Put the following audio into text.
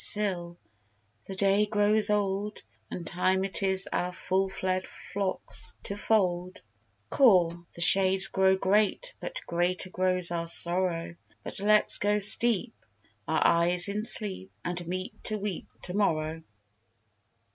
SIL. The day grows old; And time it is our full fed flocks to fold. CHOR. The shades grow great; but greater grows our sorrow: But let's go steep Our eyes in sleep; And meet to weep To morrow.